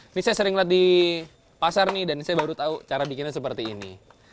ini saya sering lihat di pasar nih dan saya baru tahu cara bikinnya seperti ini